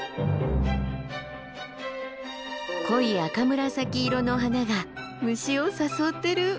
濃い赤紫色の花が虫を誘ってる。